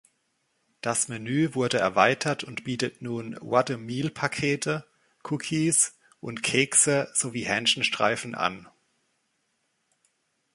Das Menü wurde erweitert und bietet nun Whatameal-Pakete, Cookies und Kekse sowie Hähnchenstreifen an.